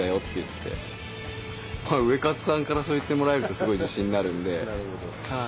ウエカツさんからそう言ってもらえるとすごい自信になるんで。